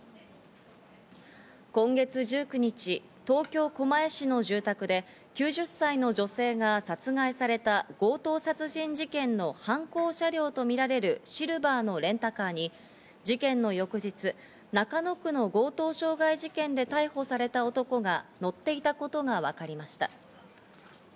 今月１９日、東京・狛江市の住宅で９０歳の女性が殺害された強盗殺人事件の犯行車両とみられるシルバーのレンタカーに事件の翌日、中野区の強盗傷害事件で逮捕された男が乗っていたことがわかりました。